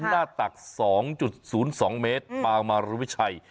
หน้าตัก๒๐๒เมตรปางมารุวิชัย